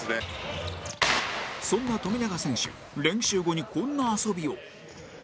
そんな富永選手練習後にこんな遊びを